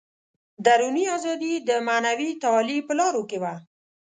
دروني ازادي د معنوي تعالي په لارو کې وه.